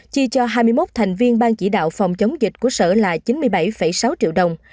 chi cho hai mươi một thành viên ban chỉ đạo phòng chống dịch của sở là chín mươi bảy sáu triệu đồng